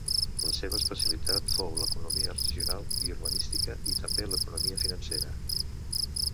La seva especialitat fou l'economia regional i urbanística i també l'economia financera.